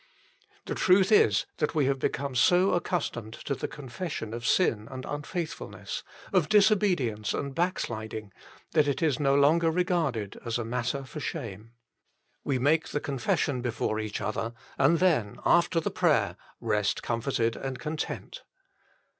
The truth is that we have become so accustomed to the confession of sin and unfaithfulness, of dis obedience and backsliding, that it is no longer regarded as a matter for shame. We make the confession before each other, and then after the prayer rest comforted and content.